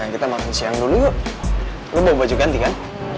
kita makan siang dulu lo mau baju ganti kan